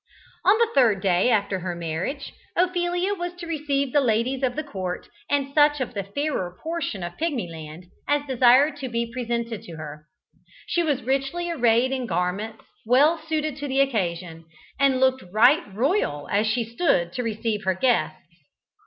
On the third day after her marriage, Ophelia was to receive the ladies of the court and such of the fairer portion of Pigmyland as desired to be presented to her. She was richly arrayed in garments well suited to the occasion, and looked right royal as she stood to receive her guests.